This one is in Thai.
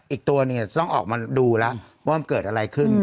อีกตัวต้องออกมาดูแล้วว่าเกิดอะไรขึ้น